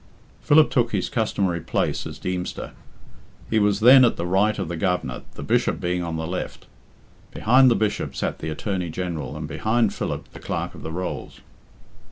Philip took his customary place as Deemster. He was then at the right of the Governor, the Bishop being on the left. Behind the bishop sat the Attorney General, and behind Philip the Clerk of the Rolls.